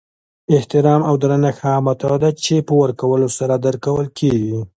احترام او درنښت هغه متاع ده چی په ورکولو سره درکول کیږي